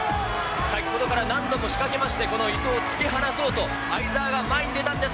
先ほどから何度も仕掛けまして、この伊藤を突き放そうと、相澤が前に出たんです。